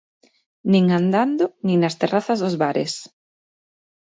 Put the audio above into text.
Nin andando, nin nas terrazas dos bares.